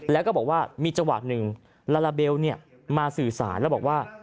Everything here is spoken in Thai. แล้วก็บอกว่ามีจังหวะหนึ่งลาลาเบลมาสื่อสารแล้วบอกว่า